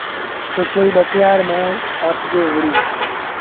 سسئيٚ ٻڪرآڙ مآݩ ڦآسجي وُهڙي۔